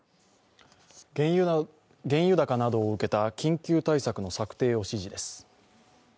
原油高などを受けた金融対策の策定を指示です。